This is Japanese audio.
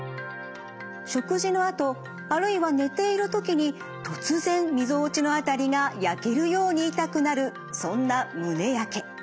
食事のあとあるいは寝ている時に突然みぞおちの辺りが焼けるように痛くなるそんな胸やけ。